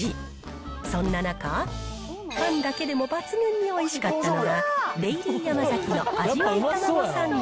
そんな中、パンだけでも抜群においしかったのが、デイリーヤマザキの味わいタマゴサンド。